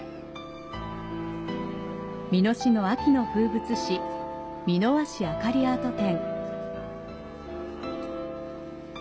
美濃市の秋の風物詩、美濃和紙あかりアート展。